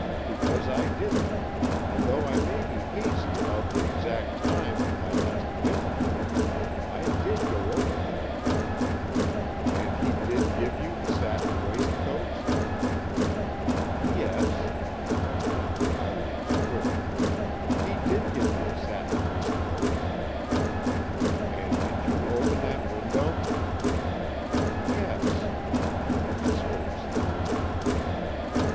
Because, I didn't, and though I may be hazy about the exact time of my last visit to him, I did go over there——" "And he did give you the satin waistcoats?" "Yes," but now her eyelids quivered, "he did give me the satin waistcoats." "And you did open that window?" "Yes," she spoke slowly.